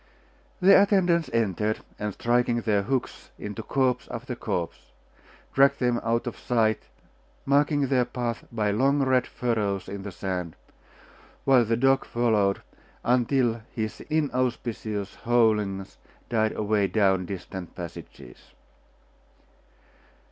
The attendants entered, and striking their hooks into corpse after corpse, dragged them out of sight, marking their path by long red furrows in the sand; while the dog followed, until his inauspicious howlings died away down distant passages.